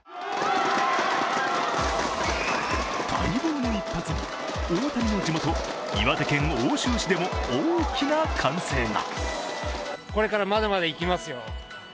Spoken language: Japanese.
待望の一発に、大谷の地元岩手県奥州市でも大きな歓声が。